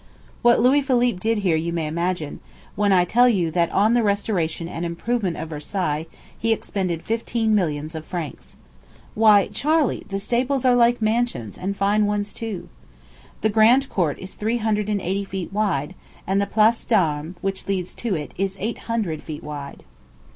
What Louis Philippe did here you may imagine, when I tell you that on the restoration and improvement of Versailles he expended fifteen millions of francs. Why, Charley, the stables are like mansions, and fine ones, too. The grand court is three hundred and eighty feet wide, and the Place d'Armes, which leads to it, is eight hundred feet wide.